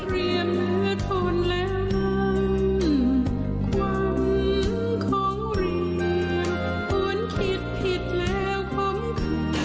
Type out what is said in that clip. เรียมเหลือทนแล้วความของเรียวอ้วนคิดผิดแล้วของคุณ